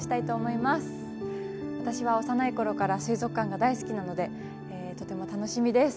私は幼い頃から水族館が大好きなのでとても楽しみです。